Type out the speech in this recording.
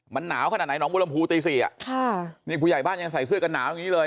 มันหนาวขนาดไหนน้องบุรมภูตีสี่อ่ะค่ะนี่ผู้ใหญ่บ้านยังใส่เสื้อกันหนาวอย่างงี้เลย